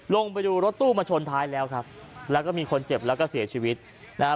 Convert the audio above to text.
ลงไปดูรถตู้มาชนท้ายแล้วครับแล้วก็มีคนเจ็บแล้วก็เสียชีวิตนะฮะ